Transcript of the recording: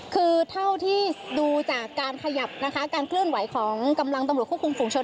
คือเท่าที่ดูจากการขยับนะคะการเคลื่อนไหวของกำลังตำรวจควบคุมฝุงชน